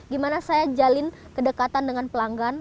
gimana saya jalin kedekatan dengan pelanggan